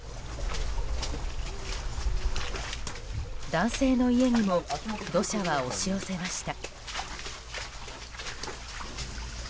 男性の家にも土砂は押し寄せました。